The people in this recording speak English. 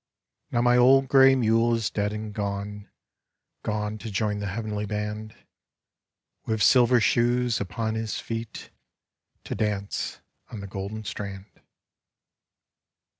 Now my old gray mule is dead and gone, Gone to join the heavenly band, With silver shoes upon his feet To dance on the golden strand.